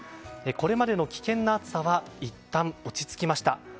これまでの危険な暑さはいったん落ち着きました。